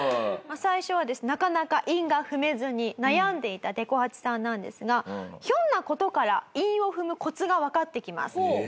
最初はなかなか韻が踏めずに悩んでいたでこ八さんなんですがひょんな事から韻を踏むコツがわかってきます。